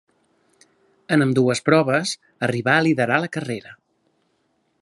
En ambdues proves arribà a liderar la carrera.